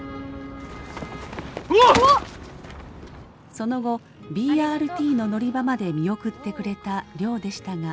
その後ＢＲＴの乗り場まで見送ってくれた亮でしたが。